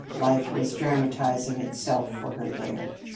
Life was dramatizing itself for her there.